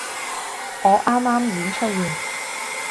我啱啱演出完